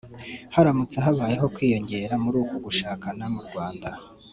Haramutse habayeho kwiyongera muri uku gushakana mu Rwanda